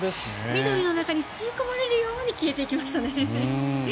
緑の中に吸い込まれるように消えていきましたね。